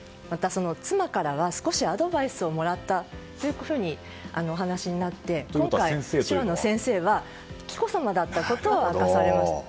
妻からは少しアドバイスをもらったというふうにお話になって今回、手話の先生は紀子さまだったことを明かされました。